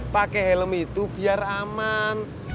pakai helm itu biar aman